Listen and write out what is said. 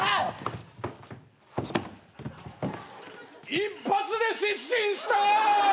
一発で失神した！